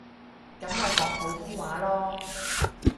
噉咪講普通話囉